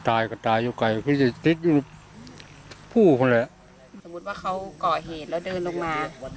ตายก็ตายอยู่ไกลคือจะติดอยู่ผู้คนเลยอ่ะสมมุติว่าเขาก่อเหตุแล้วเดินลงมา